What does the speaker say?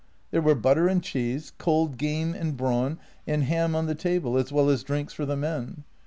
" There were butter and cheese, cold game and brawn and ham on the table, as well as drinks for the men.